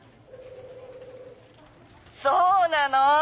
そうなの！